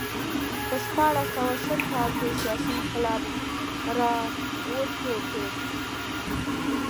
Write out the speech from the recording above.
په شپاړس سوه شل کال کې سیاسي انقلاب راوټوکېد.